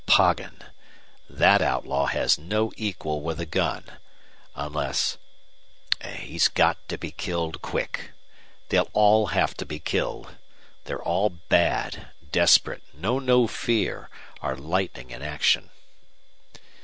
Poggin! That outlaw has no equal with a gun unless He's got to be killed quick. They'll all have to be killed. They're all bad, desperate, know no fear, are lightning in action."